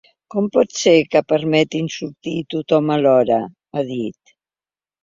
Com pot ser que permetin sortir tothom alhora?, ha dit.